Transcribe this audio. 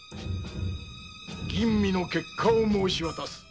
吟味の結果を申し渡す。